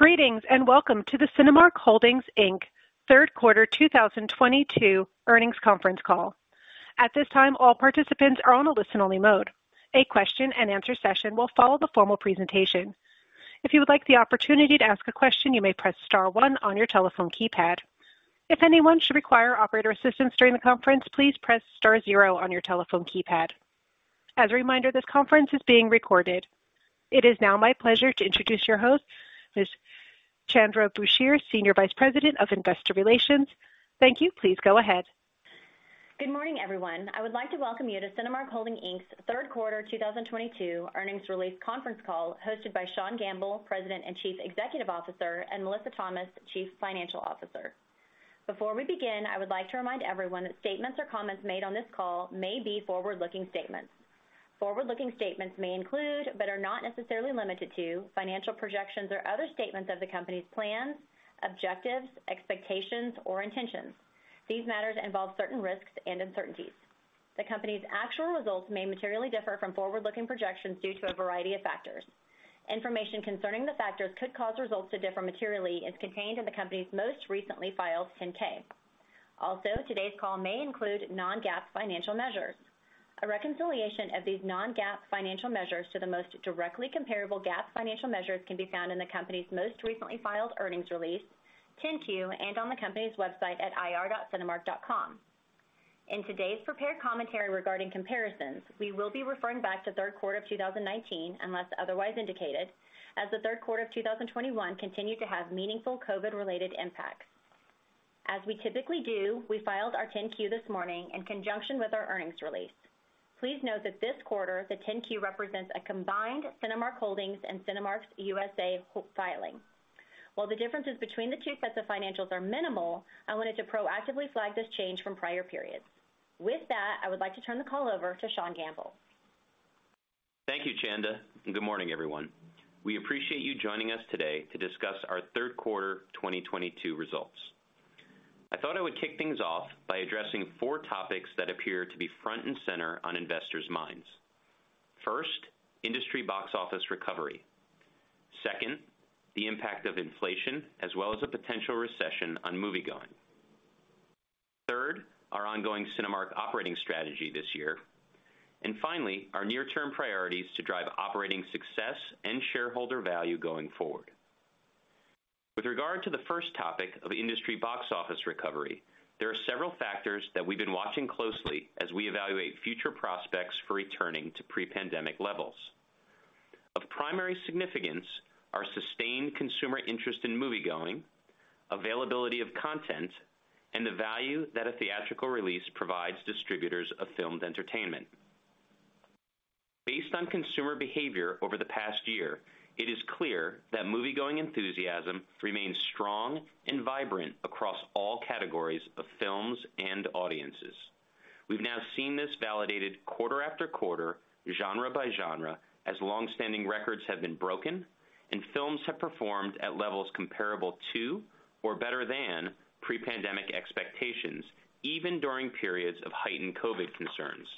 Greetings, and welcome to the Cinemark Holdings, Inc. third quarter 2022 earnings conference call. At this time, all participants are on a listen-only mode. A question-and-answer session will follow the formal presentation. If you would like the opportunity to ask a question, you may press star one on your telephone keypad. If anyone should require operator assistance during the conference, please press star zero on your telephone keypad. As a reminder, this conference is being recorded. It is now my pleasure to introduce your host, Ms. Chanda Brashears, Senior Vice President of Investor Relations. Thank you. Please go ahead. Good morning, everyone. I would like to welcome you to Cinemark Holdings, Inc.'s third quarter 2022 earnings release conference call, hosted by Sean Gamble, President and Chief Executive Officer, and Melissa Thomas, Chief Financial Officer. Before we begin, I would like to remind everyone that statements or comments made on this call may be forward-looking statements. Forward-looking statements may include, but are not necessarily limited to, financial projections or other statements of the company's plans, objectives, expectations, or intentions. These matters involve certain risks and uncertainties. The company's actual results may materially differ from forward-looking projections due to a variety of factors. Information concerning the factors could cause results to differ materially is contained in the company's most recently filed 10-K. Also, today's call may include non-GAAP financial measures. A reconciliation of these non-GAAP financial measures to the most directly comparable GAAP financial measures can be found in the company's most recently filed earnings release, 10-Q, and on the company's website at ir.cinemark.com. In today's prepared commentary regarding comparisons, we will be referring back to third quarter of 2019, unless otherwise indicated, as the third quarter of 2021 continued to have meaningful COVID-related impacts. As we typically do, we filed our 10-Q this morning in conjunction with our earnings release. Please note that this quarter, the 10-Q represents a combined Cinemark Holdings and Cinemark USA filing. While the differences between the two sets of financials are minimal, I wanted to proactively flag this change from prior periods. With that, I would like to turn the call over to Sean Gamble. Thank you, Chanda, and good morning, everyone. We appreciate you joining us today to discuss our third quarter 2022 results. I thought I would kick things off by addressing four topics that appear to be front and center on investors' minds. First, industry box office recovery. Second, the impact of inflation as well as a potential recession on moviegoing. Third, our ongoing Cinemark operating strategy this year. And finally, our near-term priorities to drive operating success and shareholder value going forward. With regard to the first topic of industry box office recovery, there are several factors that we've been watching closely as we evaluate future prospects for returning to pre-pandemic levels. Of primary significance are sustained consumer interest in moviegoing, availability of content, and the value that a theatrical release provides distributors of filmed entertainment. Based on consumer behavior over the past year, it is clear that moviegoing enthusiasm remains strong and vibrant across all categories of films and audiences. We've now seen this validated quarter-after-quarter, genre-by-genre, as long-standing records have been broken and films have performed at levels comparable to or better than pre-pandemic expectations, even during periods of heightened COVID concerns.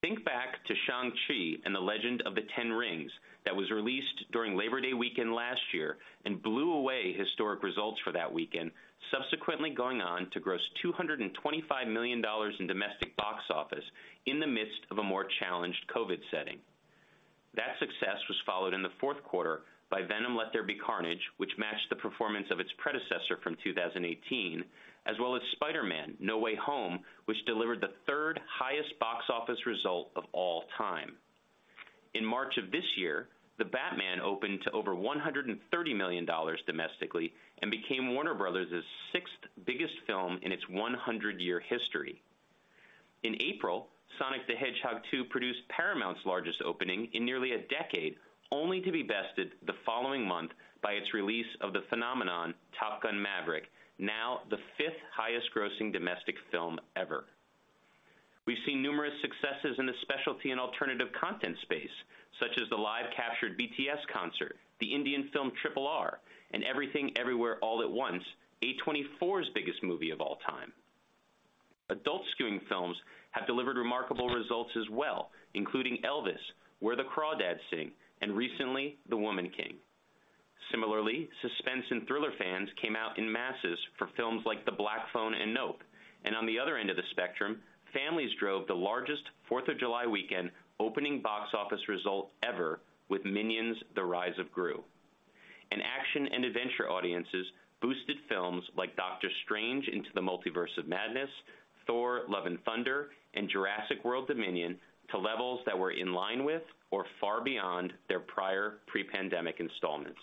Think back to Shang-Chi and the Legend of the Ten Rings that was released during Labor Day weekend last year and blew away historic results for that weekend, subsequently going on to gross $225 million in domestic box office in the midst of a more challenged COVID setting. That success was followed in the fourth quarter by Venom: Let There Be Carnage, which matched the performance of its predecessor from 2018, as well as Spider-Man: No Way Home, which delivered the third highest box office result of all time. In March of this year, The Batman opened to over $130 million domestically and became Warner Bros.' sixth biggest film in its 100-year history. In April, Sonic the Hedgehog 2 produced Paramount's largest opening in nearly a decade, only to be bested the following month by its release of the phenomenon Top Gun: Maverick, now the fifth highest grossing domestic film ever. We've seen numerous successes in the specialty and alternative content space, such as the live captured BTS concert, the Indian film RRR, and Everything Everywhere All at Once, A24's biggest movie of all time. Adult-skewing films have delivered remarkable results as well, including Elvis, Where the Crawdads Sing, and recently, The Woman King. Similarly, suspense and thriller fans came out in masses for films like The Black Phone and Nope. On the other end of the spectrum, families drove the largest 4th of July weekend opening box office result ever with Minions: The Rise of Gru. Action and adventure audiences boosted films like Doctor Strange in the Multiverse of Madness, Thor: Love and Thunder, and Jurassic World Dominion to levels that were in line with or far beyond their prior pre-pandemic installments.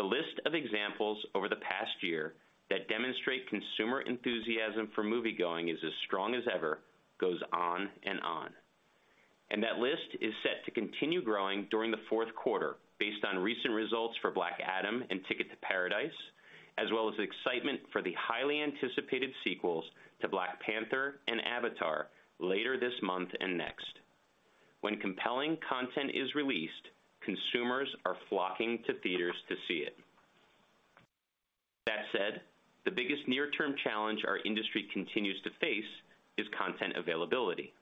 The list of examples over the past year that demonstrate consumer enthusiasm for moviegoing is as strong as ever goes on and on. That list is set to continue growing during the fourth quarter based on recent results for Black Adam and Ticket to Paradise, as well as excitement for the highly anticipated sequels to Black Panther and Avatar later this month and next. When compelling content is released, consumers are flocking to theaters to see it. The biggest near-term challenge our industry continues to face is content availability.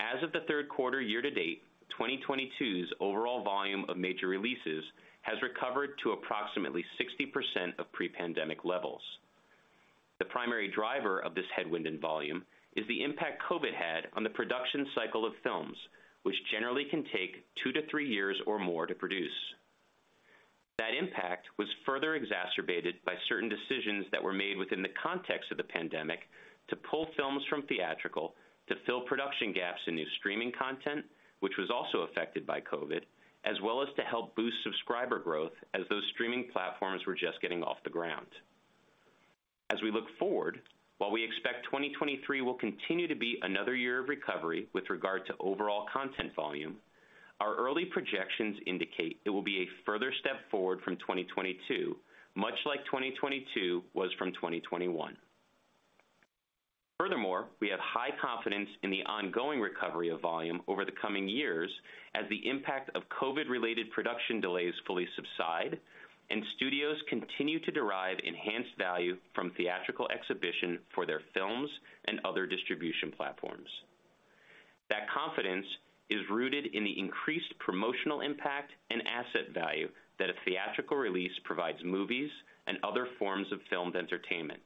As of the third quarter year-to-date, 2022's overall volume of major releases has recovered to approximately 60% of pre-pandemic levels. The primary driver of this headwind in volume is the impact COVID had on the production cycle of films, which generally can take 2-3 years or more to produce. That impact was further exacerbated by certain decisions that were made within the context of the pandemic to pull films from theatrical to fill production gaps in new streaming content, which was also affected by COVID, as well as to help boost subscriber growth as those streaming platforms were just getting off the ground. As we look forward, while we expect 2023 will continue to be another year of recovery with regard to overall content volume, our early projections indicate it will be a further step forward from 2022, much like 2022 was from 2021. Furthermore, we have high confidence in the ongoing recovery of volume over the coming years as the impact of COVID-related production delays fully subside and studios continue to derive enhanced value from theatrical exhibition for their films and other distribution platforms. That confidence is rooted in the increased promotional impact and asset value that a theatrical release provides movies and other forms of filmed entertainment.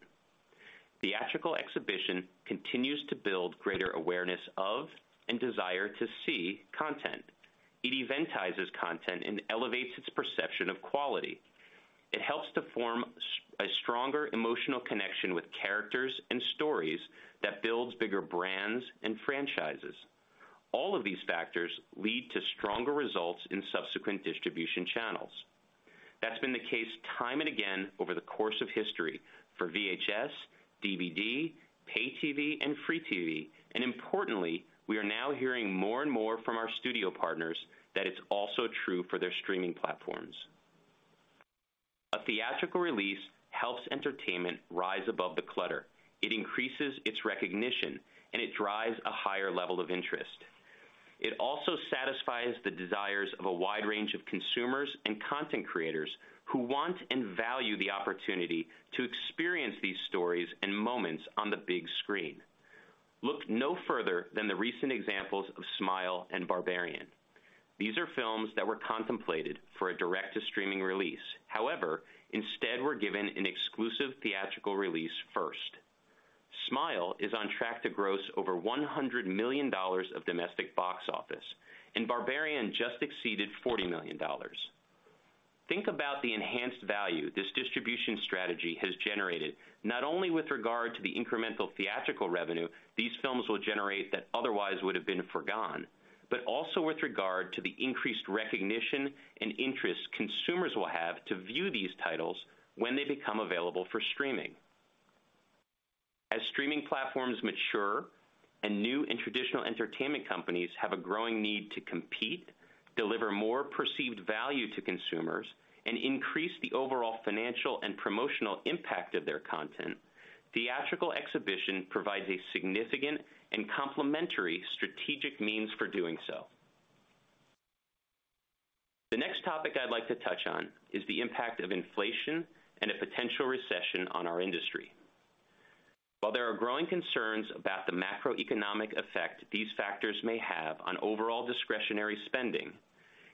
Theatrical exhibition continues to build greater awareness of and desire to see content. It eventizes content and elevates its perception of quality. It helps to form a stronger emotional connection with characters and stories that builds bigger brands and franchises. All of these factors lead to stronger results in subsequent distribution channels. That's been the case time and again over the course of history for VHS, DVD, pay TV, and free TV, and importantly, we are now hearing more and more from our studio partners that it's also true for their streaming platforms. A theatrical release helps entertainment rise above the clutter. It increases its recognition, and it drives a higher level of interest. It also satisfies the desires of a wide range of consumers and content creators who want and value the opportunity to experience these stories and moments on the big screen. Look no further than the recent examples of Smile and Barbarian. These are films that were contemplated for a direct-to-streaming release, however, instead were given an exclusive theatrical release first. Smile is on track to gross over $100 million of domestic box office, and Barbarian just exceeded $40 million. Think about the enhanced value this distribution strategy has generated, not only with regard to the incremental theatrical revenue these films will generate that otherwise would have been forgone, but also with regard to the increased recognition and interest consumers will have to view these titles when they become available for streaming. As streaming platforms mature and new and traditional entertainment companies have a growing need to compete, deliver more perceived value to consumers, and increase the overall financial and promotional impact of their content, theatrical exhibition provides a significant and complementary strategic means for doing so. The next topic I'd like to touch on is the impact of inflation and a potential recession on our industry. While there are growing concerns about the macroeconomic effect these factors may have on overall discretionary spending,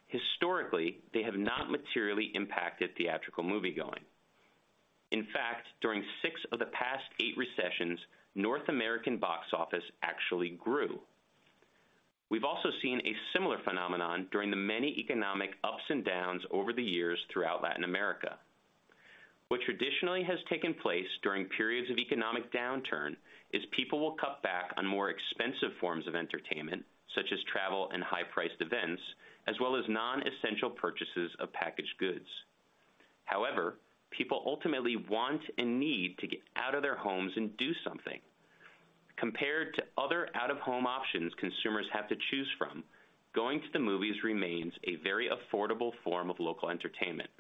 historically, they have not materially impacted theatrical moviegoing. In fact, during six of the past eight recessions, North American box office actually grew. We've also seen a similar phenomenon during the many economic ups and downs over the years throughout Latin America. What traditionally has taken place during periods of economic downturn is people will cut back on more expensive forms of entertainment, such as travel and high-priced events, as well as non-essential purchases of packaged goods. However, people ultimately want and need to get out of their homes and do something. Compared to other out-of-home options consumers have to choose from, going to the movies remains a very affordable form of local entertainment.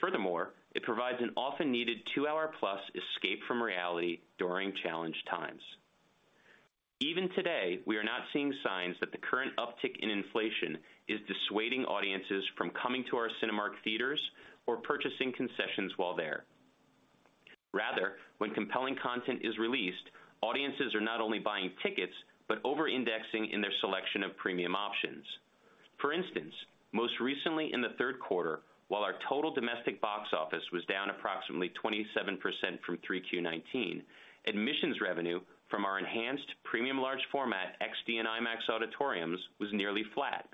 Furthermore, it provides an often-needed 2 hour+ escape from reality during challenged times. Even today, we are not seeing signs that the current uptick in inflation is dissuading audiences from coming to our Cinemark theaters or purchasing concessions while there. Rather, when compelling content is released, audiences are not only buying tickets, but overindexing in their selection of premium options. For instance, most recently in the third quarter, while our total domestic box office was down approximately 27% from 3Q 2019, admissions revenue from our enhanced premium large format XD and IMAX auditoriums was nearly flat.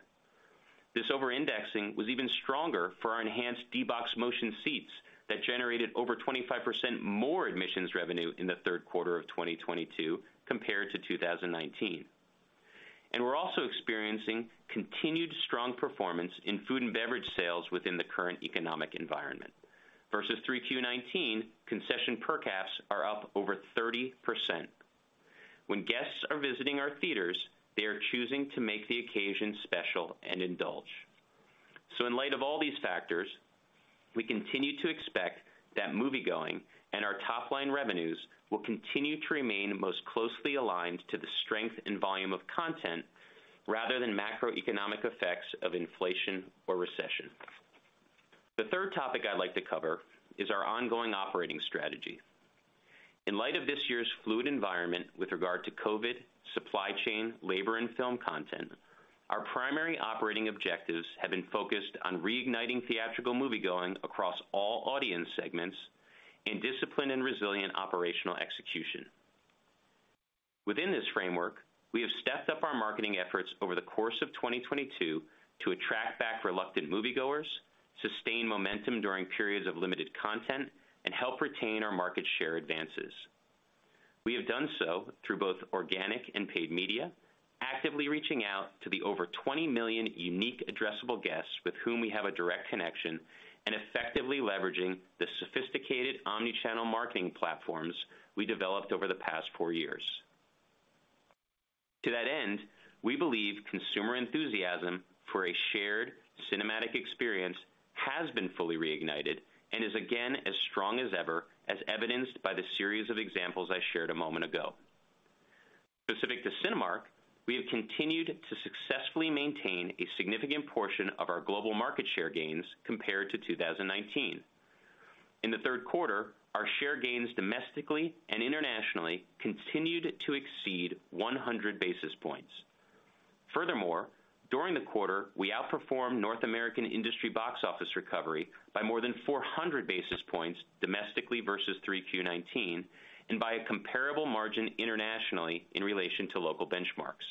This overindexing was even stronger for our enhanced D-BOX motion seats that generated over 25% more admissions revenue in the third quarter of 2022 compared to 2019. We're also experiencing continued strong performance in food and beverage sales within the current economic environment. Versus 3Q 2019, concession per caps are up over 30%. When guests are visiting our theaters, they are choosing to make the occasion special and indulge. In light of all these factors, we continue to expect that moviegoing and our top-line revenues will continue to remain most closely aligned to the strength and volume of content rather than macroeconomic effects of inflation or recession. The third topic I'd like to cover is our ongoing operating strategy. In light of this year's fluid environment with regard to COVID, supply chain, labor, and film content, our primary operating objectives have been focused on reigniting theatrical moviegoing across all audience segments and disciplined and resilient operational execution. Within this framework, we have stepped up our marketing efforts over the course of 2022 to attract back reluctant moviegoers, sustain momentum during periods of limited content, and help retain our market share advances. We have done so through both organic and paid media, actively reaching out to the over 20 million unique addressable guests with whom we have a direct connection, and effectively leveraging the sophisticated omni-channel marketing platforms we developed over the past four years. To that end, we believe consumer enthusiasm for a shared cinematic experience has been fully reignited and is again as strong as ever, as evidenced by the series of examples I shared a moment ago. Specific to Cinemark, we have continued to successfully maintain a significant portion of our global market share gains compared to 2019. In the third quarter, our share gains domestically and internationally continued to exceed 100 basis points. Furthermore, during the quarter, we outperformed North American industry box office recovery by more than 400 basis points domestically versus Q3 2019, and by a comparable margin internationally in relation to local benchmarks.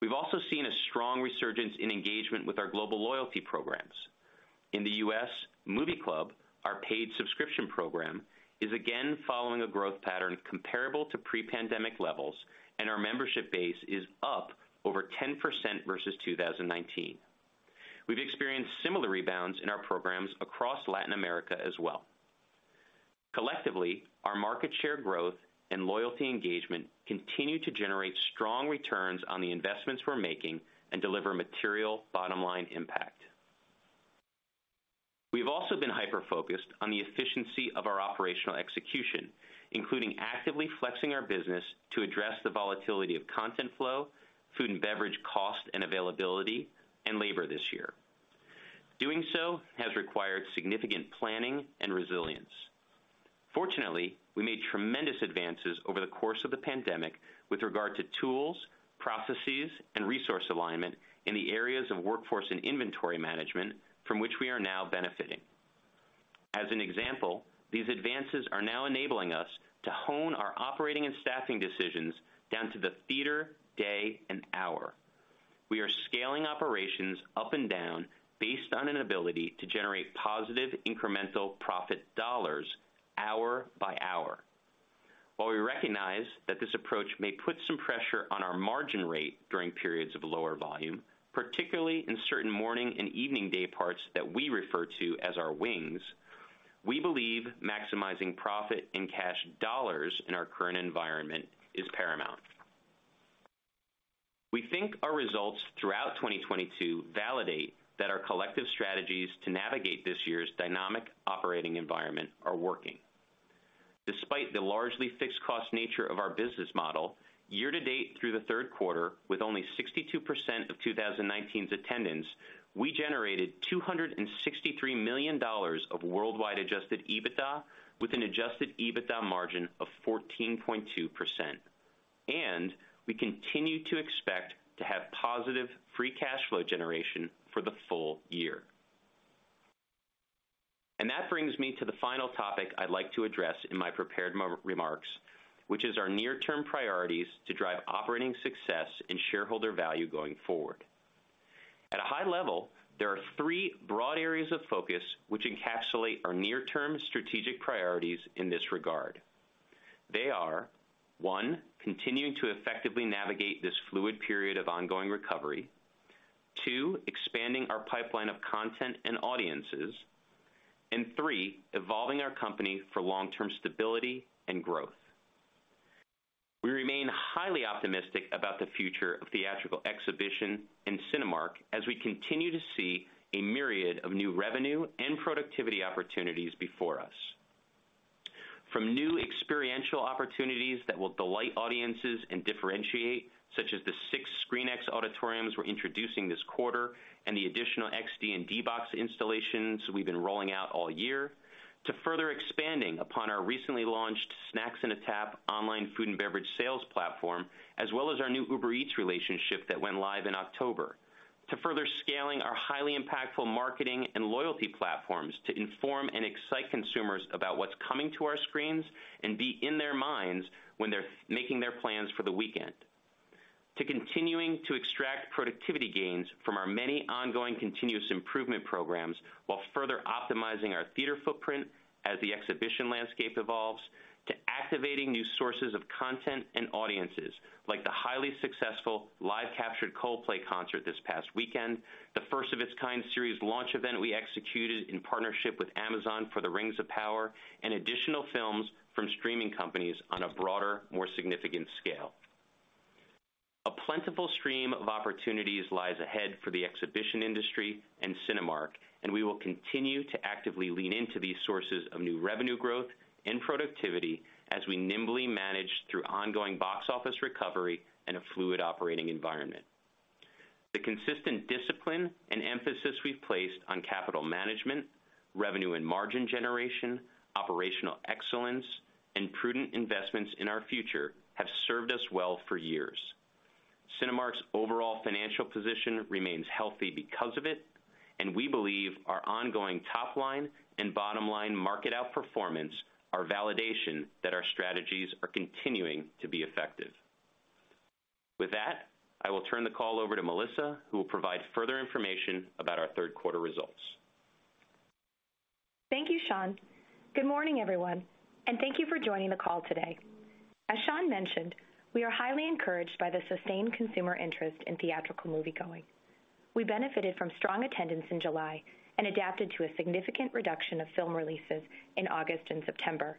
We've also seen a strong resurgence in engagement with our global loyalty programs. In the U.S., Movie Club, our paid subscription program, is again following a growth pattern comparable to pre-pandemic levels, and our membership base is up over 10% versus 2019. We've experienced similar rebounds in our programs across Latin America as well. Collectively, our market share growth and loyalty engagement continue to generate strong returns on the investments we're making and deliver material bottom-line impact. We've also been hyper-focused on the efficiency of our operational execution, including actively flexing our business to address the volatility of content flow, food and beverage cost and availability, and labor this year. Doing so has required significant planning and resilience. Fortunately, we made tremendous advances over the course of the pandemic with regard to tools, processes, and resource alignment in the areas of workforce and inventory management from which we are now benefiting. As an example, these advances are now enabling us to hone our operating and staffing decisions down to the theater, day, and hour. We are scaling operations up and down based on an ability to generate positive incremental profit dollars hour by hour. While we recognize that this approach may put some pressure on our margin rate during periods of lower volume, particularly in certain morning and evening day parts that we refer to as our wings, we believe maximizing profit and cash dollars in our current environment is paramount. We think our results throughout 2022 validate that our collective strategies to navigate this year's dynamic operating environment are working. Despite the largely fixed cost nature of our business model, year-to-date through the third quarter, with only 62% of 2019's attendance, we generated $263 million of worldwide Adjusted EBITDA, with an Adjusted EBITDA margin of 14.2%. We continue to expect to have positive free cash flow generation for the full year. That brings me to the final topic I'd like to address in my prepared remarks, which is our near-term priorities to drive operating success and shareholder value going forward. At a high level, there are three broad areas of focus which encapsulate our near-term strategic priorities in this regard. They are, 1, continuing to effectively navigate this fluid period of ongoing recovery. Two, expanding our pipeline of content and audiences. Three, evolving our company for long-term stability and growth. We remain highly optimistic about the future of theatrical exhibition in Cinemark as we continue to see a myriad of new revenue and productivity opportunities before us. From new experiential opportunities that will delight audiences and differentiate, such as the six ScreenX auditoriums we're introducing this quarter and the additional XD and D-BOX installations we've been rolling out all year, to further expanding upon our recently launched Snacks in a Tap online food and beverage sales platform, as well as our new Uber Eats relationship that went live in October. To further scaling our highly impactful marketing and loyalty platforms to inform and excite consumers about what's coming to our screens and be in their minds when they're making their plans for the weekend. To continuing to extract productivity gains from our many ongoing continuous improvement programs while further optimizing our theater footprint as the exhibition landscape evolves. To activating new sources of content and audiences, like the highly successful live captured Coldplay concert this past weekend, the first-of-its-kind series launch event we executed in partnership with Amazon for The Lord of the Rings: The Rings of Power, and additional films from streaming companies on a broader, more significant scale. A plentiful stream of opportunities lies ahead for the exhibition industry and Cinemark, and we will continue to actively lean into these sources of new revenue growth and productivity as we nimbly manage through ongoing box office recovery and a fluid operating environment. The consistent discipline and emphasis we've placed on capital management, revenue and margin generation, operational excellence, and prudent investments in our future have served us well for years. Cinemark's overall financial position remains healthy because of it, and we believe our ongoing top line and bottom line market outperformance are validation that our strategies are continuing to be effective. With that, I will turn the call over to Melissa, who will provide further information about our third quarter results. Thank you, Sean. Good morning, everyone, and thank you for joining the call today. As Sean mentioned, we are highly encouraged by the sustained consumer interest in theatrical moviegoing. We benefited from strong attendance in July and adapted to a significant reduction of film releases in August and September,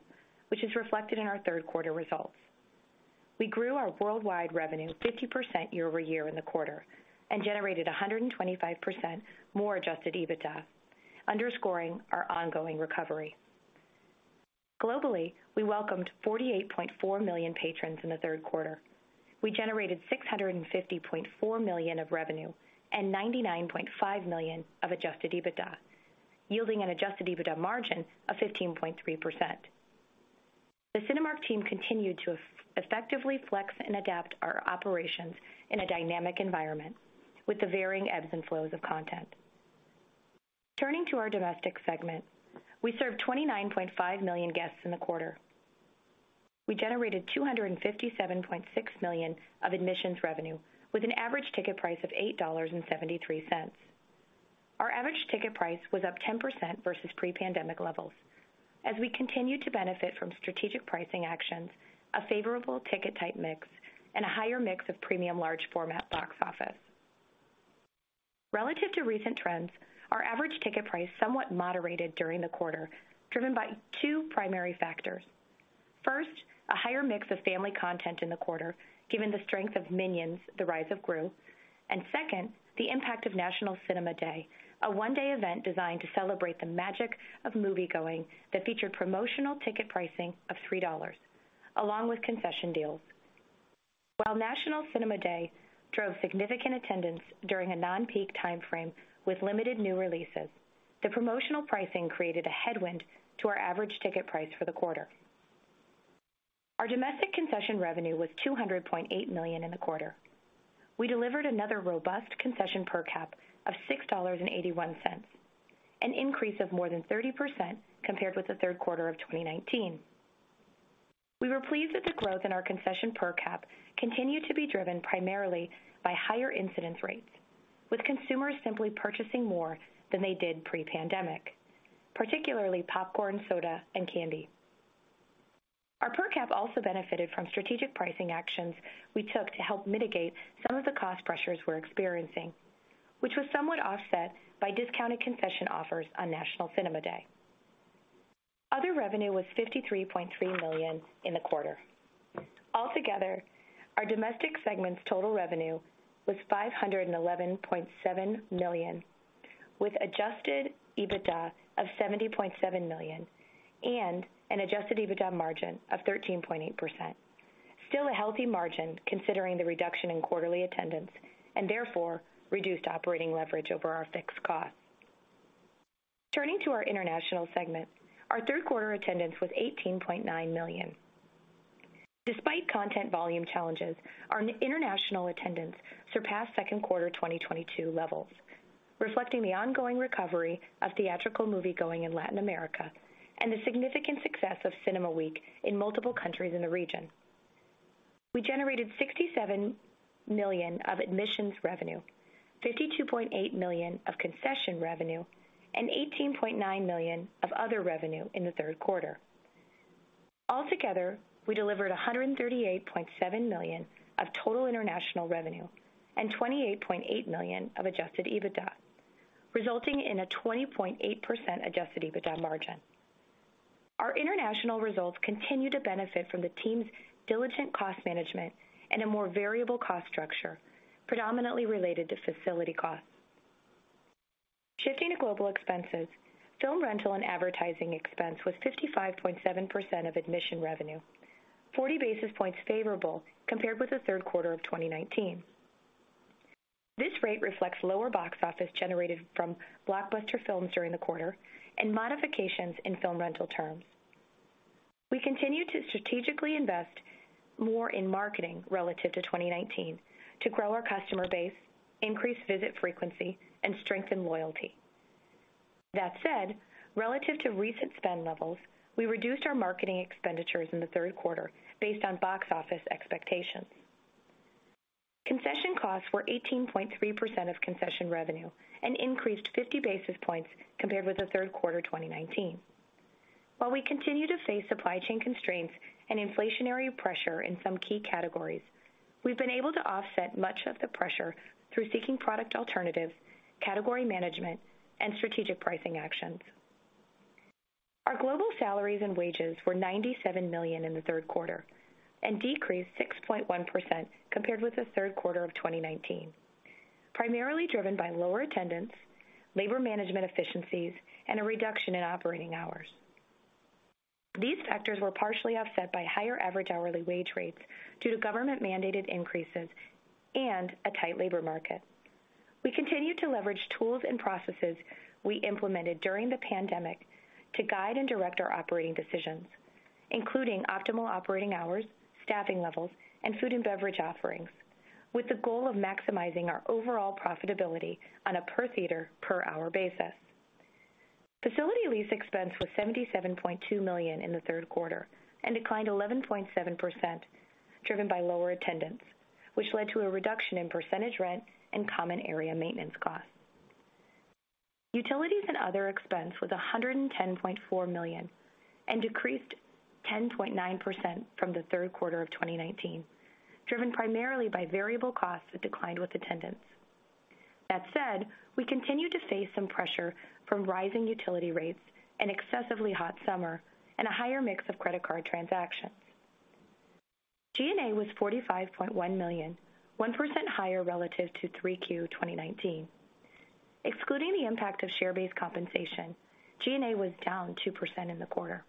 which is reflected in our third quarter results. We grew our worldwide revenue 50% year-over-year in the quarter and generated 125% more Adjusted EBITDA, underscoring our ongoing recovery. Globally, we welcomed 48.4 million patrons in the third quarter. We generated $650.4 million of revenue and $99.5 million of Adjusted EBITDA, yielding an Adjusted EBITDA margin of 15.3%. The Cinemark team continued to effectively flex and adapt our operations in a dynamic environment with the varying ebbs and flows of content. Turning to our domestic segment, we served 29.5 million guests in the quarter. We generated $257.6 million of admissions revenue with an average ticket price of $8.73. Our average ticket price was up 10% versus pre-pandemic levels as we continued to benefit from strategic pricing actions, a favorable ticket type mix, and a higher mix of premium large format box office. Relative to recent trends, our average ticket price somewhat moderated during the quarter, driven by two primary factors. First, a higher mix of family content in the quarter, given the strength of Minions: The Rise of Gru. Second, the impact of National Cinema Day, a one-day event designed to celebrate the magic of moviegoing that featured promotional ticket pricing of $3 along with concession deals. While National Cinema Day drove significant attendance during a non-peak timeframe with limited new releases, the promotional pricing created a headwind to our average ticket price for the quarter. Our domestic concession revenue was $200.8 million in the quarter. We delivered another robust concession per cap of $6.81, an increase of more than 30% compared with the third quarter of 2019. We were pleased that the growth in our concession per cap continued to be driven primarily by higher incidence rates, with consumers simply purchasing more than they did pre-pandemic, particularly popcorn, soda, and candy. Our per cap also benefited from strategic pricing actions we took to help mitigate some of the cost pressures we're experiencing, which was somewhat offset by discounted concession offers on National Cinema Day. Other revenue was $53.3 million in the quarter. Altogether, our domestic segment's total revenue was $511.7 million, with Adjusted EBITDA of $70.7 million and an Adjusted EBITDA margin of 13.8%. Still a healthy margin considering the reduction in quarterly attendance and therefore reduced operating leverage over our fixed costs. Our third quarter attendance was 18.9 million. Despite content volume challenges, our international attendance surpassed second quarter 2022 levels, reflecting the ongoing recovery of theatrical moviegoing in Latin America and the significant success of Cinema Week in multiple countries in the region. We generated $67 million of admissions revenue, $52.8 million of concession revenue, and $18.9 million of other revenue in the third quarter. Altogether, we delivered $138.7 million of total international revenue and $28.8 million of Adjusted EBITDA, resulting in a 20.8% Adjusted EBITDA margin. Our international results continue to benefit from the team's diligent cost management and a more variable cost structure predominantly related to facility costs. Shifting to global expenses, film rental and advertising expense was 55.7% of admission revenue, 40 basis points favorable compared with the third quarter of 2019. This rate reflects lower box office generated from blockbuster films during the quarter and modifications in film rental terms. We continue to strategically invest more in marketing relative to 2019 to grow our customer base, increase visit frequency, and strengthen loyalty. That said, relative to recent spend levels, we reduced our marketing expenditures in the third quarter based on box office expectations. Concession costs were 18.3% of concession revenue and increased 50 basis points compared with the third quarter 2019. While we continue to face supply chain constraints and inflationary pressure in some key categories, we've been able to offset much of the pressure through seeking product alternatives, category management, and strategic pricing actions. Our global salaries and wages were $97 million in the third quarter and decreased 6.1% compared with the third quarter of 2019, primarily driven by lower attendance, labor management efficiencies, and a reduction in operating hours. These factors were partially offset by higher average hourly wage rates due to government-mandated increases and a tight labor market. We continue to leverage tools and processes we implemented during the pandemic to guide and direct our operating decisions, including optimal operating hours, staffing levels, and food and beverage offerings, with the goal of maximizing our overall profitability on a per-theater, per-hour basis. Facility lease expense was $77.2 million in the third quarter and declined 11.7%, driven by lower attendance, which led to a reduction in percentage rent and common area maintenance costs. Utilities and other expense was $110.4 million and decreased 10.9% from the third quarter of 2019, driven primarily by variable costs that declined with attendance. That said, we continue to face some pressure from rising utility rates, an excessively hot summer, and a higher mix of credit card transactions. G&A was $45.1 million, 1% higher relative to 3Q 2019. Excluding the impact of share-based compensation, G&A was down 2% in the quarter.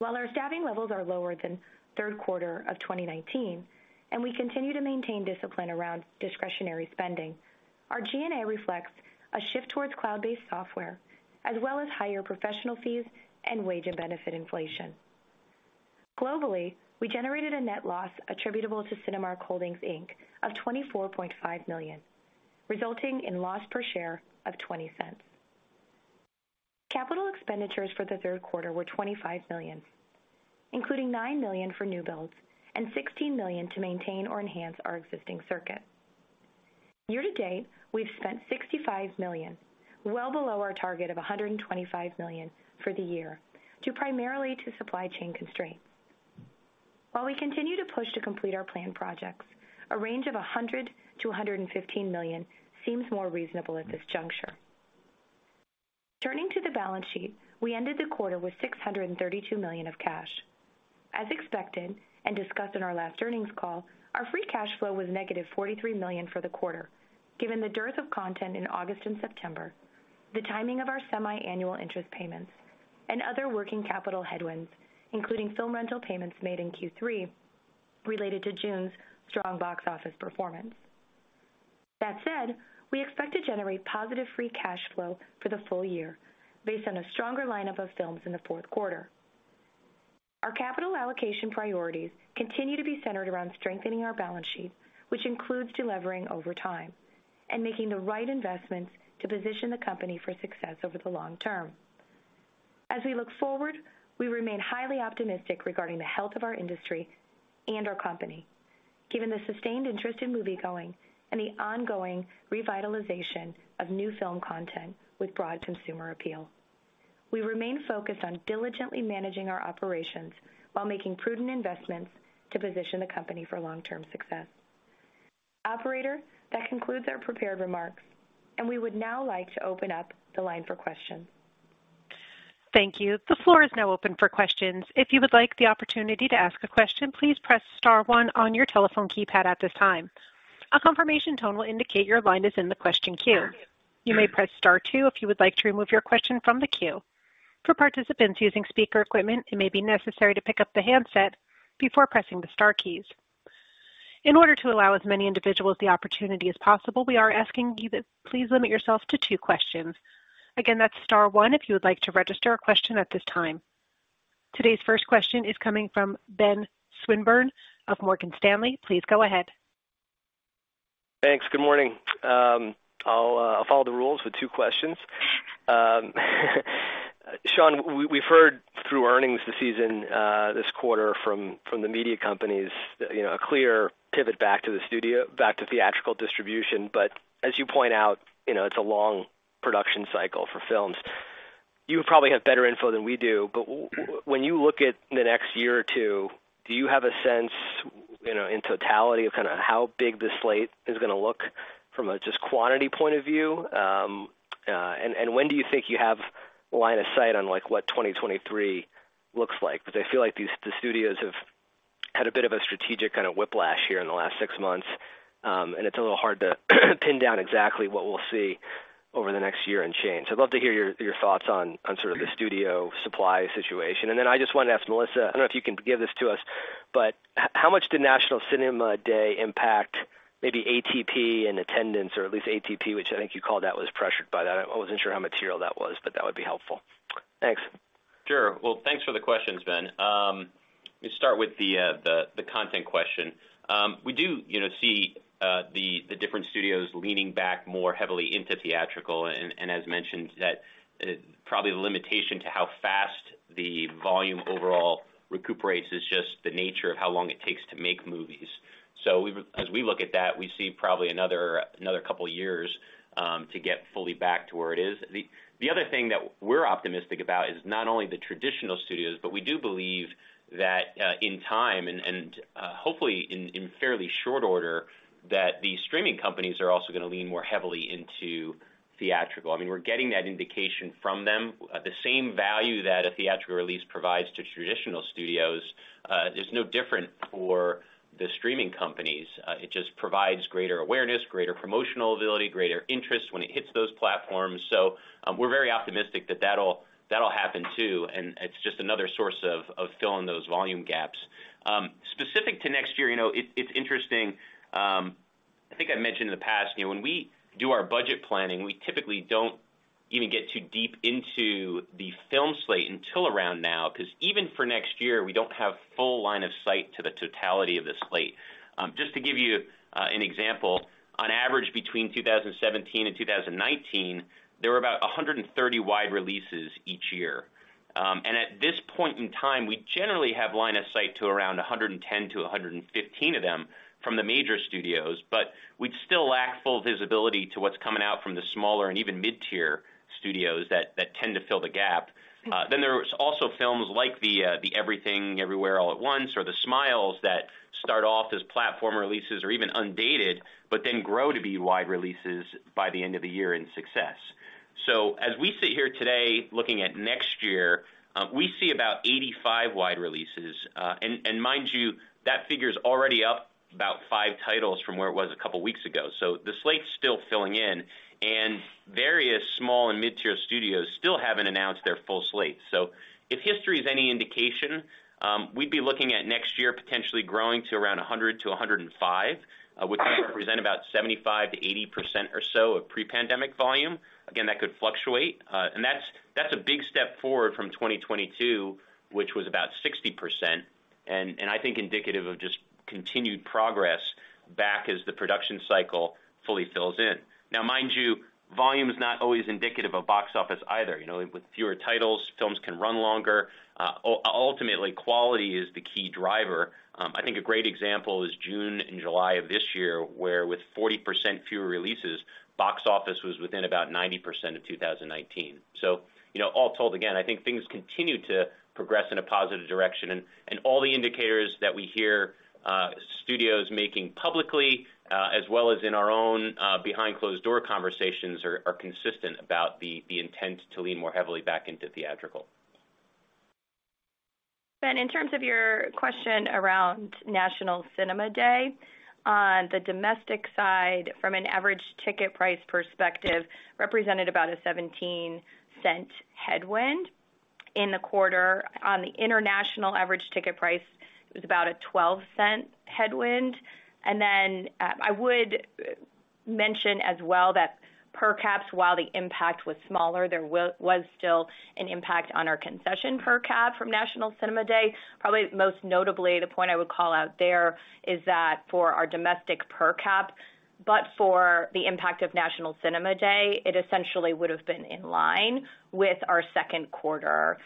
While our staffing levels are lower than third quarter of 2019 and we continue to maintain discipline around discretionary spending, our G&A reflects a shift towards cloud-based software as well as higher professional fees and wage and benefit inflation. Globally, we generated a net loss attributable to Cinemark Holdings, Inc. of $24.5 million, resulting in loss per share of $0.20. Capital expenditures for the third quarter were $25 million, including $9 million for new builds and $16 million to maintain or enhance our existing circuit. Year-to-date, we've spent $65 million, well below our target of $125 million for the year, due primarily to supply chain constraints. While we continue to push to complete our planned projects, a range of $100 million-$115 million seems more reasonable at this juncture. Turning to the balance sheet, we ended the quarter with $632 million of cash. As expected and discussed in our last earnings call, our free cash flow was -$43 million for the quarter, given the dearth of content in August and September, the timing of our semi-annual interest payments and other working capital headwinds, including film rental payments made in Q3 related to June's strong box office performance. That said, we expect to generate positive free cash flow for the full year based on a stronger lineup of films in the fourth quarter. Our capital allocation priorities continue to be centered around strengthening our balance sheet, which includes delevering over time and making the right investments to position the company for success over the long term. As we look forward, we remain highly optimistic regarding the health of our industry and our company, given the sustained interest in moviegoing and the ongoing revitalization of new film content with broad consumer appeal. We remain focused on diligently managing our operations while making prudent investments to position the company for long-term success. Operator, that concludes our prepared remarks, and we would now like to open up the line for questions. Thank you. The floor is now open for questions. If you would like the opportunity to ask a question, please press star one on your telephone keypad at this time. A confirmation tone will indicate your line is in the question queue. You may press star two if you would like to remove your question from the queue. For participants using speaker equipment, it may be necessary to pick up the handset before pressing the star keys. In order to allow as many individuals the opportunity as possible, we are asking you to please limit yourself to two questions. Again, that's star one if you would like to register a question at this time. Today's first question is coming from Ben Swinburne of Morgan Stanley. Please go ahead. Thanks. Good morning. I'll follow the rules with two questions. Sean, we've heard through earnings this season, this quarter from the media companies, you know, a clear pivot back to the studio, back to theatrical distribution. But as you point out, you know, it's a long production cycle for films. You probably have better info than we do, but when you look at the next year or two, do you have a sense, you know, in totality of kind of how big the slate is gonna look from a just quantity point of view? And when do you think you have line of sight on, like, what 2023 looks like? Because I feel like the studios have had a bit of a strategic kind of whiplash here in the last six months, and it's a little hard to pin down exactly what we'll see over the next year and change. I'd love to hear your thoughts on sort of the studio supply situation. Then I just wanted to ask Melissa, I don't know if you can give this to us, but how much did National Cinema Day impact maybe ATP and attendance, or at least ATP, which I think you called out was pressured by that. I wasn't sure how material that was, but that would be helpful. Thanks. Sure. Well, thanks for the questions, Ben. Let me start with the content question. We do, you know, see the different studios leaning back more heavily into theatrical and, as mentioned, that probably the limitation to how fast the volume overall recuperates is just the nature of how long it takes to make movies. As we look at that, we see probably another couple years to get fully back to where it is. The other thing that we're optimistic about is not only the traditional studios, but we do believe that, in time and, hopefully in fairly short order, that the streaming companies are also gonna lean more heavily into theatrical. I mean, we're getting that indication from them. The same value that a theatrical release provides to traditional studios. It's no different for the streaming companies. It just provides greater awareness, greater promotional ability, greater interest when it hits those platforms. We're very optimistic that that'll happen too, and it's just another source of filling those volume gaps. Specific to next year, you know, it's interesting. I think I mentioned in the past, you know, when we do our budget planning, we typically don't even get too deep into the film slate until around now, 'cause even for next year, we don't have full line of sight to the totality of the slate. Just to give you an example, on average, between 2017 and 2019, there were about 130 wide releases each year. At this point in time, we generally have line of sight to around 110-115 of them from the major studios, but we'd still lack full visibility to what's coming out from the smaller and even mid-tier studios that tend to fill the gap. Then there's also films like the Everything Everywhere All at Once or Smile that start off as platform releases or even undated, but then grow to be wide releases by the end of the year in success. As we sit here today, looking at next year, we see about 85 wide releases. Mind you, that figure is already up about 5 titles from where it was a couple weeks ago. The slate's still filling in, and various small and mid-tier studios still haven't announced their full slate. If history is any indication, we'd be looking at next year potentially growing to around 100-105, which would represent about 75%-80% or so of pre-pandemic volume. Again, that could fluctuate. That's a big step forward from 2022, which was about 60%, and I think indicative of just continued progress back as the production cycle fully fills in. Now mind you, volume is not always indicative of box office either. You know, with fewer titles, films can run longer. Ultimately, quality is the key driver. I think a great example is June and July of this year, where with 40% fewer releases, box office was within about 90% of 2019. You know, all told again, I think things continue to progress in a positive direction, and all the indicators that we hear, studios making publicly, as well as in our own, behind-closed-door conversations are consistent about the intent to lean more heavily back into theatrical. Ben, in terms of your question around National Cinema Day, on the domestic side, from an average ticket price perspective, represented about a $0.17 headwind in the quarter. On the international average ticket price, it was about a $0.12 headwind. I would mention as well that per caps, while the impact was smaller, there was still an impact on our concession per cap from National Cinema Day. Probably most notably, the point I would call out there is that for our domestic per cap, but for the impact of National Cinema Day, it essentially would have been in line with our second quarter per cap.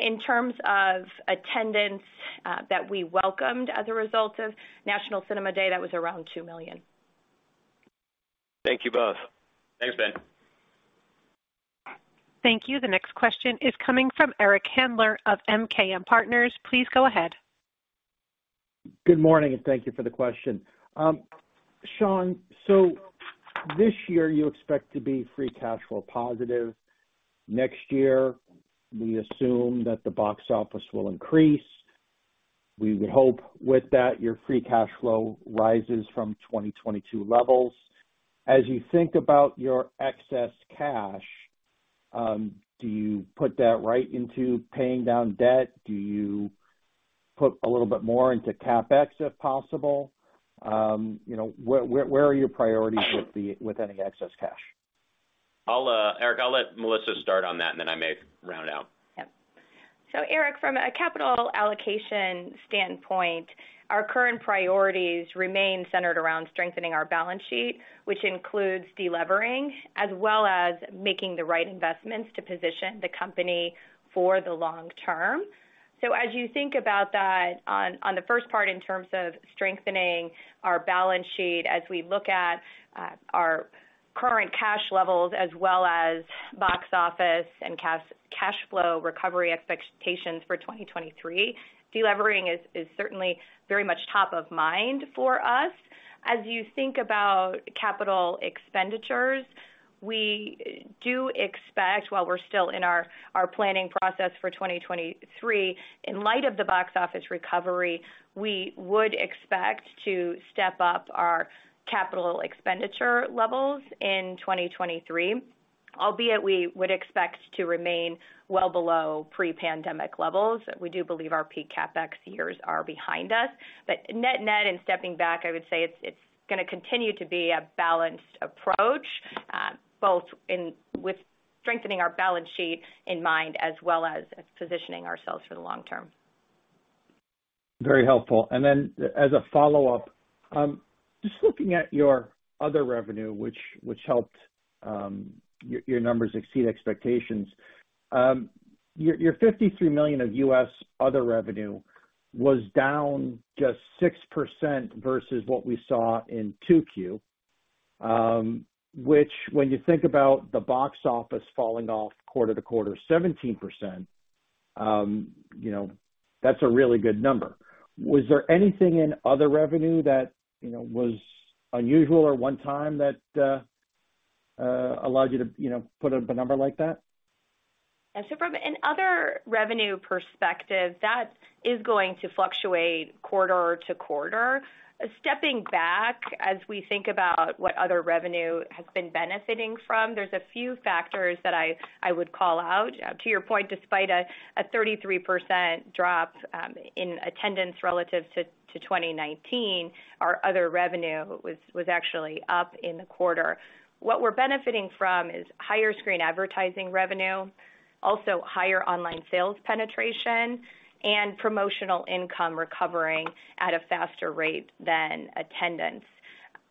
In terms of attendance, that we welcomed as a result of National Cinema Day, that was around 2 million. Thank you both. Thanks, Ben. Thank you. The next question is coming from Eric Handler of MKM Partners. Please go ahead. Good morning, and thank you for the question. Sean, this year you expect to be free cash flow positive. Next year, we assume that the box office will increase. We would hope with that, your free cash flow rises from 2022 levels. As you think about your excess cash, do you put that right into paying down debt? Do you put a little bit more into CapEx, if possible? You know, where are your priorities with any excess cash? Eric, I'll let Melissa start on that, and then I may round it out. Eric, from a capital allocation standpoint, our current priorities remain centered around strengthening our balance sheet, which includes delevering as well as making the right investments to position the company for the long term. As you think about that on the first part in terms of strengthening our balance sheet, as we look at our current cash levels as well as box office and cash flow recovery expectations for 2023, delevering is certainly very much top of mind for us. As you think about capital expenditures, we do expect while we're still in our planning process for 2023, in light of the box office recovery, we would expect to step up our capital expenditure levels in 2023. Albeit, we would expect to remain well below pre-pandemic levels. We do believe our peak CapEx years are behind us. Net-net, and stepping back, I would say it's gonna continue to be a balanced approach, both with strengthening our balance sheet in mind as well as positioning ourselves for the long term. Very helpful. As a follow-up, just looking at your other revenue, which helped your numbers exceed expectations. Your $53 million of U.S. other revenue was down just 6% versus what we saw in 2Q, which when you think about the box office falling off quarter-over-quarter 17%, you know, that's a really good number. Was there anything in other revenue that, you know, was unusual or one-time that- allows you to, you know, put up a number like that? From an other revenue perspective, that is going to fluctuate quarter-to-quarter. Stepping back as we think about what other revenue has been benefiting from, there's a few factors that I would call out. To your point, despite a 33% drop in attendance relative to 2019, our other revenue was actually up in the quarter. What we're benefiting from is higher screen advertising revenue, also higher online sales penetration and promotional income recovering at a faster rate than attendance.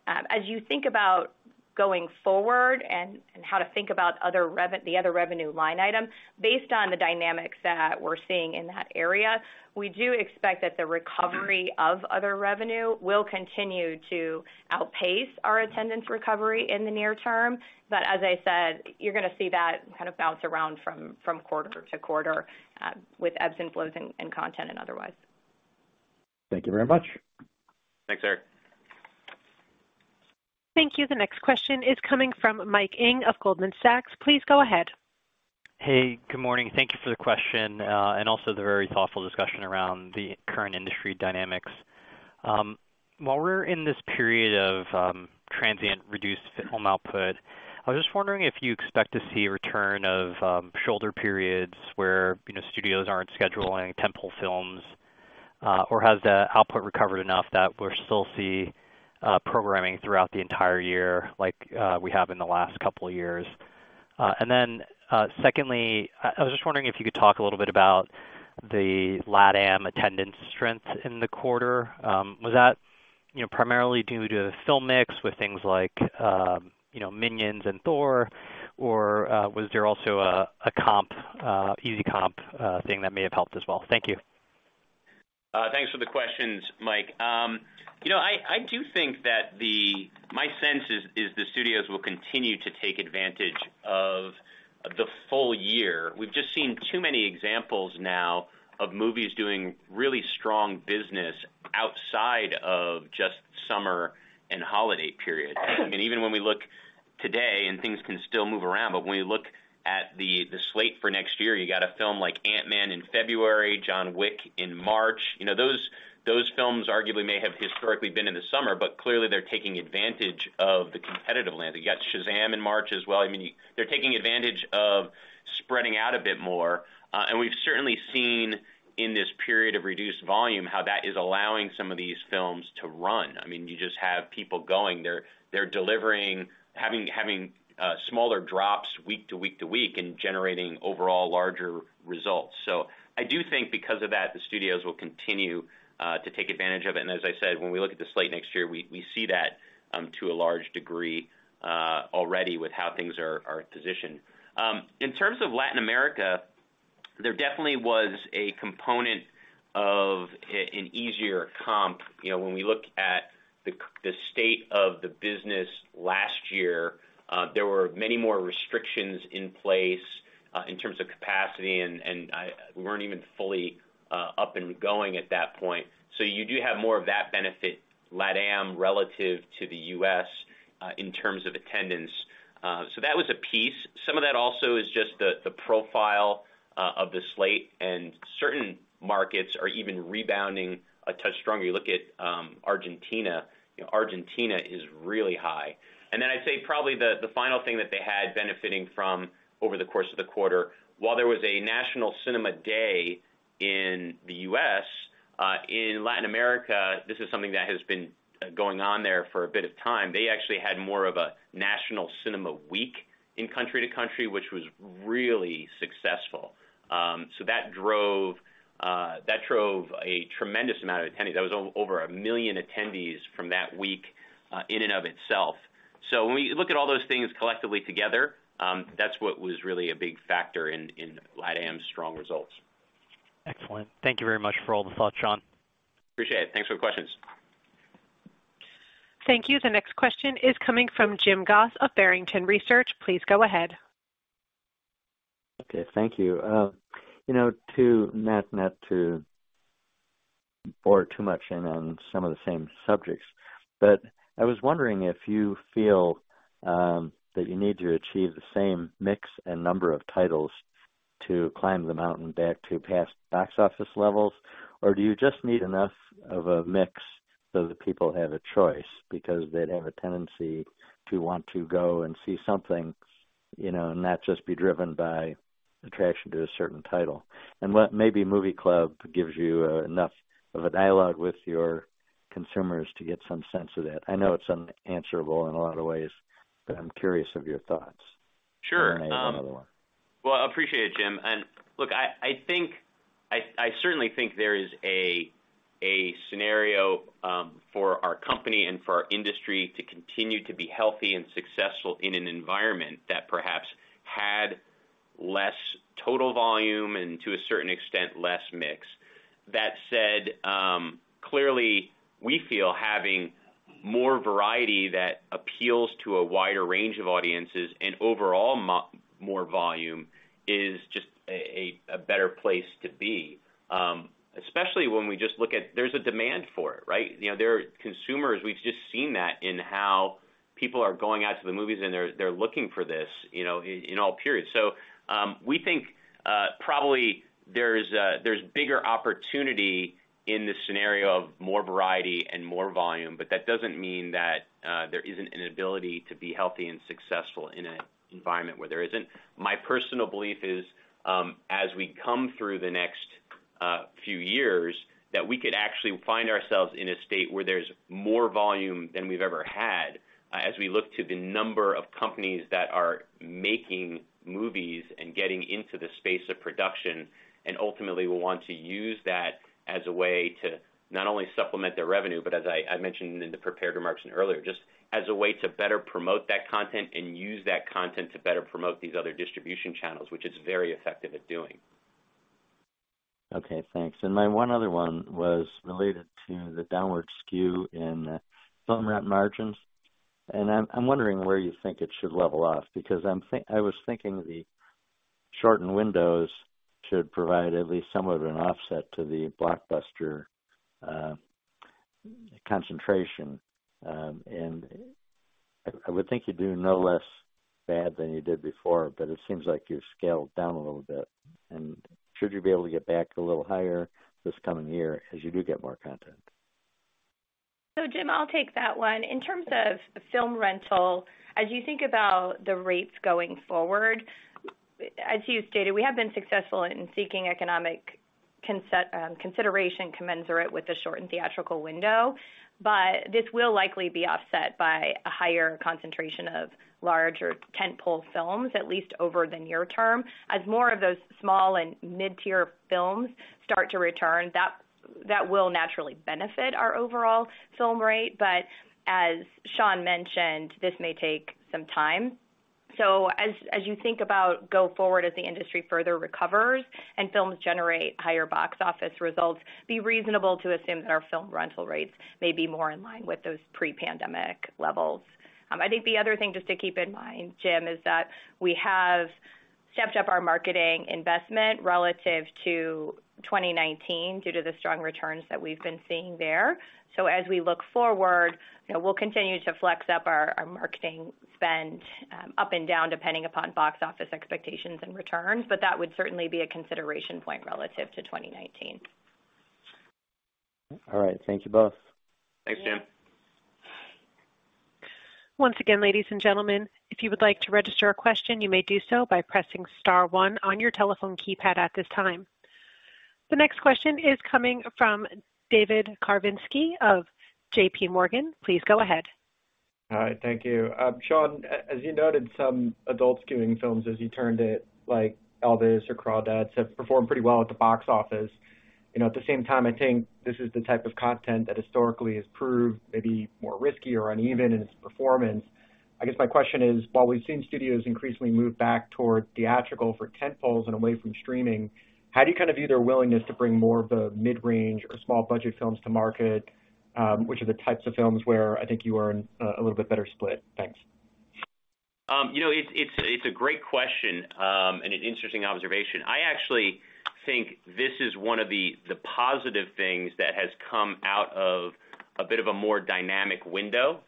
As you think about going forward and how to think about the other revenue line item, based on the dynamics that we're seeing in that area, we do expect that the recovery of other revenue will continue to outpace our attendance recovery in the near term. as I said, you're going to see that kind of bounce around from quarter-to-quarter, with ebbs and flows in content and otherwise. Thank you very much. Thanks, Eric. Thank you. The next question is coming from Mike Ng of Goldman Sachs. Please go ahead. Hey, good morning. Thank you for the question, and also the very thoughtful discussion around the current industry dynamics. While we're in this period of transient reduced film output, I was just wondering if you expect to see a return of shoulder periods where, you know, studios aren't scheduling tentpole films, or has the output recovered enough that we'll still see programming throughout the entire year like we have in the last couple of years? And then, secondly, I was just wondering if you could talk a little bit about the LATAM attendance strength in the quarter. Was that, you know, primarily due to film mix with things like, you know, Minions and Thor, or was there also an easy comp thing that may have helped as well? Thank you. Thanks for the questions, Mike. You know, I do think that my sense is the studios will continue to take advantage of the full year. We've just seen too many examples now of movies doing really strong business outside of just summer and holiday periods. I mean, even when we look today and things can still move around, but when you look at the slate for next year, you got a film like Ant-Man in February, John Wick in March. You know, those films arguably may have historically been in the summer, but clearly they're taking advantage of the competitive landscape. You got Shazam in March as well. I mean, they're taking advantage of spreading out a bit more. We've certainly seen in this period of reduced volume how that is allowing some of these films to run. I mean, you just have people going. They're delivering, having smaller drops week to week to week and generating overall larger results. I do think because of that, the studios will continue to take advantage of it. As I said, when we look at the slate next year, we see that to a large degree already with how things are positioned. In terms of Latin America, there definitely was a component of an easier comp. You know, when we look at the state of the business last year, there were many more restrictions in place in terms of capacity, and we weren't even fully up and going at that point. You do have more of that benefit, LATAM, relative to the U.S. in terms of attendance. That was a piece. Some of that also is just the profile of the slate and certain markets are even rebounding a touch stronger. You look at Argentina, you know, Argentina is really high. Then I'd say probably the final thing that they had benefiting from over the course of the quarter, while there was a National Cinema Day in the U.S., in Latin America, this is something that has been going on there for a bit of time. They actually had more of a National Cinema Week in country to country, which was really successful. That drove a tremendous amount of attendees. That was over 1 million attendees from that week in and of itself. When we look at all those things collectively together, that's what was really a big factor in LATAM's strong results. Excellent. Thank you very much for all the thoughts, Sean. Appreciate it. Thanks for the questions. Thank you. The next question is coming from Jim Goss of Barrington Research. Please go ahead. Okay, thank you. You know, not to bore too much in on some of the same subjects, but I was wondering if you feel that you need to achieve the same mix and number of titles to climb the mountain back to past box office levels, or do you just need enough of a mix so that people have a choice? Because they'd have a tendency to want to go and see something, you know, not just be driven by attraction to a certain title. What maybe Movie Club gives you enough of a dialogue with your consumers to get some sense of that. I know it's unanswerable in a lot of ways, but I'm curious of your thoughts. Sure. Maybe one other one. Well, I appreciate it, Jim. Look, I certainly think there is a scenario for our company and for our industry to continue to be healthy and successful in an environment that perhaps had less total volume and to a certain extent, less mix. That said, clearly we feel having more variety that appeals to a wider range of audiences and overall more volume is just a better place to be. Especially when we just look at there's a demand for it, right? You know, there are consumers, we've just seen that in how people are going out to the movies, and they're looking for this, you know, in all periods. We think, probably there's bigger opportunity in the scenario of more variety and more volume, but that doesn't mean that there isn't an ability to be healthy and successful in an environment where there isn't. My personal belief is, as we come through the next few years, that we could actually find ourselves in a state where there's more volume than we've ever had, as we look to the number of companies that are making movies and getting into the space of production, and ultimately will want to use that as a way to not only supplement their revenue, but as I mentioned in the prepared remarks and earlier, just as a way to better promote that content and use that content to better promote these other distribution channels, which it's very effective at doing. Okay, thanks. My one other one was related to the downward skew in film rent margins. I'm wondering where you think it should level off because I was thinking the shortened windows should provide at least somewhat of an offset to the blockbuster concentration. I would think you're doing no less bad than you did before, but it seems like you've scaled down a little bit. Should you be able to get back a little higher this coming year as you do get more content? Jim, I'll take that one. In terms of film rental, as you think about the rates going forward, as you stated, we have been successful in seeking economic consideration commensurate with the shortened theatrical window. This will likely be offset by a higher concentration of larger tentpole films, at least over the near term. As more of those small and mid-tier films start to return, that will naturally benefit our overall film rate. As Sean mentioned, this may take some time. As you think about going forward as the industry further recovers and films generate higher box office results, it would be reasonable to assume that our film rental rates may be more in line with those pre-pandemic levels. I think the other thing just to keep in mind, Jim, is that we have stepped up our marketing investment relative to 2019 due to the strong returns that we've been seeing there. As we look forward, you know, we'll continue to flex up our marketing spend up and down, depending upon box office expectations and returns, but that would certainly be a consideration point relative to 2019. All right. Thank you both. Thanks, Jim. Yeah. Once again, ladies and gentlemen, if you would like to register a question, you may do so by pressing star one on your telephone keypad at this time. The next question is coming from David Karnovsky of JP Morgan. Please go ahead. All right. Thank you. Sean, as you noted, some adult-skewing films as you termed it, like Elvis or Crawdads, have performed pretty well at the box office. You know, at the same time, I think this is the type of content that historically has proved maybe more risky or uneven in its performance. I guess my question is, while we've seen studios increasingly move back toward theatrical for tentpole and away from streaming, how do you kind of view their willingness to bring more of the mid-range or small budget films to market, which are the types of films where I think you are in a little bit better split? Thanks. You know, it's a great question and an interesting observation. I actually think this is one of the positive things that has come out of a bit of a more dynamic window.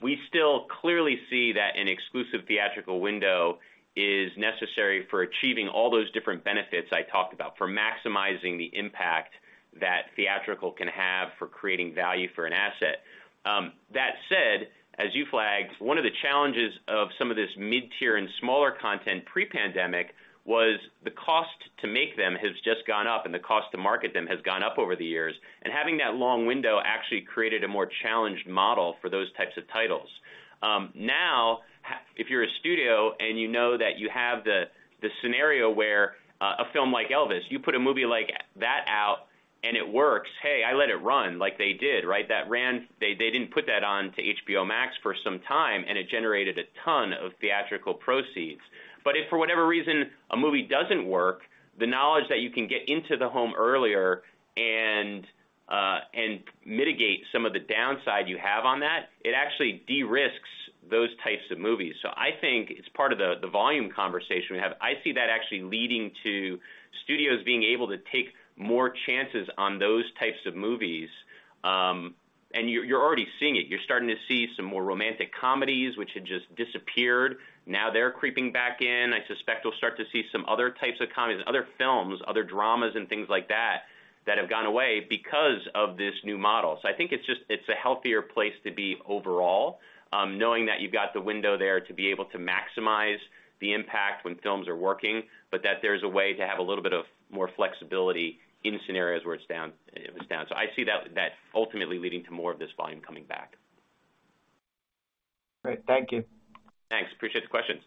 We still clearly see that an exclusive theatrical window is necessary for achieving all those different benefits I talked about, for maximizing the impact that theatrical can have for creating value for an asset. That said, as you flagged, one of the challenges of some of this mid-tier and smaller content pre-pandemic was the cost to make them has just gone up and the cost to market them has gone up over the years. Having that long window actually created a more challenged model for those types of titles. If you're a studio and you know that you have the scenario where a film like Elvis, you put a movie like that out and it works, hey, I let it run like they did, right? That ran. They didn't put that on to HBO Max for some time, and it generated a ton of theatrical proceeds. But if for whatever reason, a movie doesn't work, the knowledge that you can get into the home earlier and mitigate some of the downside you have on that, it actually de-risks those types of movies. I think it's part of the volume conversation we have. I see that actually leading to studios being able to take more chances on those types of movies. You're already seeing it. You're starting to see some more romantic comedies which had just disappeared. Now they're creeping back in. I suspect we'll start to see some other types of comedies, other films, other dramas and things like that have gone away because of this new model. I think it's just, it's a healthier place to be overall, knowing that you've got the window there to be able to maximize the impact when films are working, but that there's a way to have a little bit of more flexibility in scenarios where it's down, if it's down. I see that ultimately leading to more of this volume coming back. Great. Thank you. Thanks. Appreciate the questions.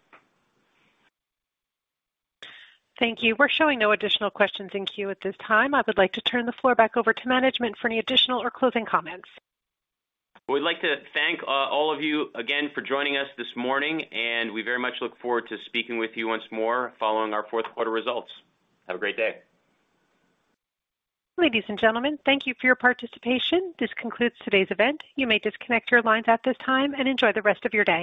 Thank you. We're showing no additional questions in queue at this time. I would like to turn the floor back over to management for any additional or closing comments. We'd like to thank all of you again for joining us this morning, and we very much look forward to speaking with you once more following our fourth quarter results. Have a great day. Ladies and gentlemen, thank you for your participation. This concludes today's event. You may disconnect your lines at this time and enjoy the rest of your day.